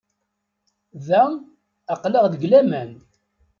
Da, aql-aɣ deg laman.